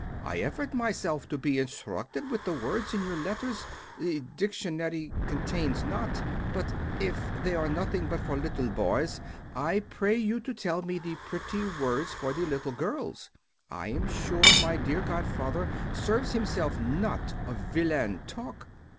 I effort myself to be instructed with the words in your letters the dictionary contains not but if they are nothing but for little boys I pray you to tell me the pretty words for the little girls. I am sure my dear godfather serves himself not of villain talk.